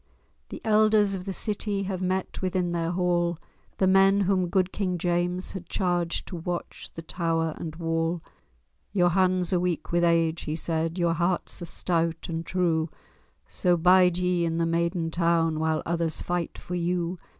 _"] IV The elders of the city Have met within their hall— The men whom good King James had charged To watch the tower and wall. "Your hands are weak with age," he said, "Your hearts are stout and true; So bide ye in the maiden town, While others fight for you.